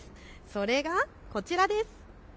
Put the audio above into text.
それがこちらです。